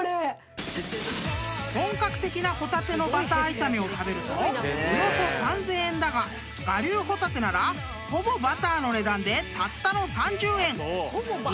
［本格的なホタテのバター炒めを食べるとおよそ３，０００円だが我流ホタテならほぼバターの値段でたったの３０円！］